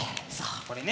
これね。